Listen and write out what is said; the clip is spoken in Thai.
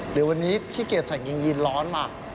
หรือวันนี้ขี้เกียจใส่กางเกงยีนร้อนมา